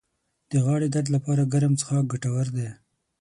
د غاړې درد لپاره ګرم څښاک ګټور دی